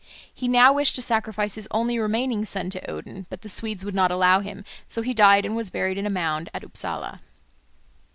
He now wished to sacrifice his only remaining son to Odin, but the Swedes would not allow him. So he died and was buried in a mound at Upsala.